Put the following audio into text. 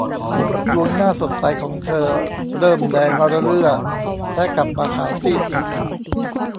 ดวงหน้าสดใสของเธอ เริ่มแดงระเรื่อและกลับมาขาวซีดอีกหน